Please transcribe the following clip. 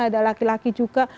ada laki laki juga